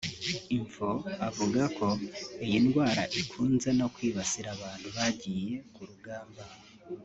Info avuga ko iyi ndwara ikunze no kwibasira abantu bagiye ku rugamba